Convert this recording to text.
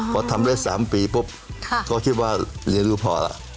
พอทำได้๓ปีปุ๊บก็คิดว่าเรียนรู้พอแล้ว